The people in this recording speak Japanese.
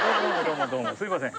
すみません。